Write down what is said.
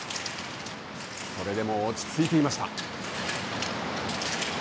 それでも落ち着いていました。